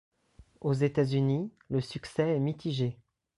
Aux États-Unis, le succès est mitigé.